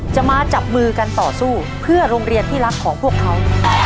มาจับมือกันต่อสู้เพื่อโรงเรียนที่รักของพวกเขา